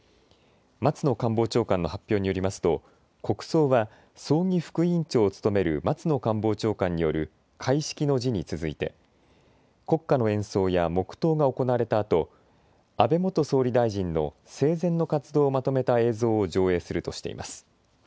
松野官房長官の発表によりますと国葬は葬儀副委員長を務める松野官房長官による開式の辞に続いて国歌の演奏や黙とうが行われたあと、安倍元総理大臣の生前の活動をまとめた映像を上映するとしています。